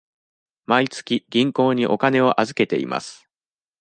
毎月銀行にお金を預けています。